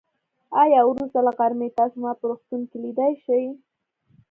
آيا وروسته له غرمې تاسو ما په روغتون کې ليدای شئ.